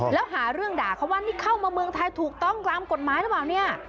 แล้วหาเรื่องด่าเขาว่านี่เข้ามาเมืองไทยถูกต้องตามกฎหมายหรือเปล่าเนี่ย